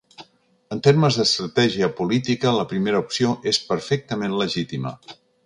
En termes d’estratègia política, la primera opció és perfectament legítima.